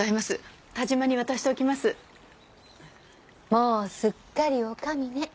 もうすっかり女将ね。